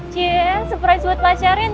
ciee surprise buat pak syarin ya